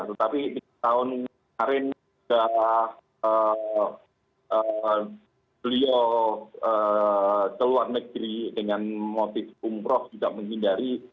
tetapi tahun kemarin sudah beliau keluar negeri dengan motif umproh juga menghindari